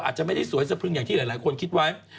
อาจจะไม่ได้สวยสะพรึงอย่างที่หลายคนคิดไว้